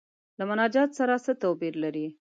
له مناجات سره څه توپیر لري.